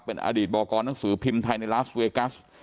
เป็นอดีตบอกกรหนังสือพิมพ์ไทยในลาสเวกัส